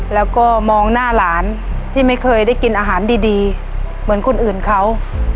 แล้วก็มองหน้าหลานที่ไม่เคยได้กินอาหารดีเหมือนคนอื่นเขา